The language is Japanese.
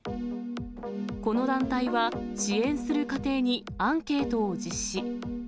この団体は、支援する家庭にアンケートを実施。